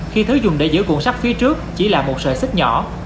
khi thấy dùng để giữ cuộn sắt phía trước chỉ là một sợi xích nhỏ